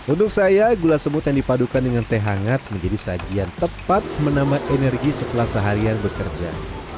untuk saya gula semut yang dipadukan dengan teh hangat menjadi sajian tepat menambah energi setelah seharian bekerja